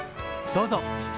どうぞ。